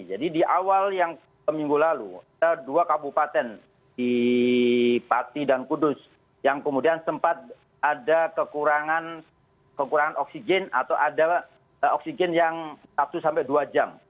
jadi di awal yang minggu lalu dua kabupaten di pati dan kudus yang kemudian sempat ada kekurangan oksigen atau ada oksigen yang satu sampai dua jam